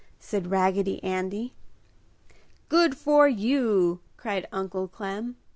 said Raggedy Andy. "Good for you!" cried Uncle Clem.